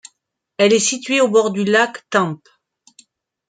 Elle est située au bord du lac Tempe.